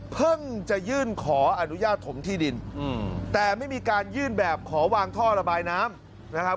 เพิ่งจะยื่นขออนุญาตถมที่ดินแต่ไม่มีการยื่นแบบขอวางท่อระบายน้ำนะครับ